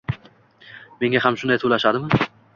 Menga ham shunday to`lashadimi